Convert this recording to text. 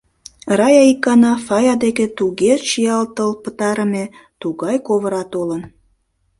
Рая икана Фая деке туге чиялтыл пытарыме, тугай ковыра толын.